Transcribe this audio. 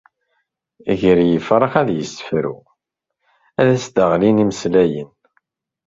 Gar yifrax ad yessefru, ad s-d-ɣlin imeslayen.